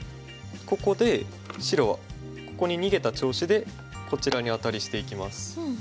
ここで白はここに逃げた調子でこちらにアタリしていきます。